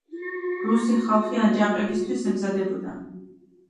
რუსი ხალხი აჯანყებისთვის ემზადებოდა.